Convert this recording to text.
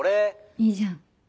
いいじゃん。